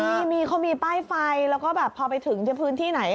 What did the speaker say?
มีเขามีป้ายไฟแล้วก็แบบพอไปถึงพื้นที่ไหน